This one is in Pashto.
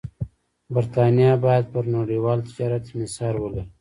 برېټانیا باید پر نړیوال تجارت انحصار ولري.